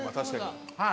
はい。